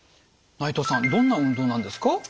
内藤さんどんな運動なんですか？